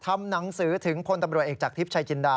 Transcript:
ทำหนังสือถึงพลตำรวจเอกจากทิพย์ชายจินดา